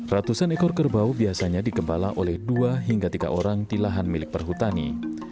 ratusan ekor kerbau biasanya dikembala oleh dua hingga tiga orang di lahan milik perhutani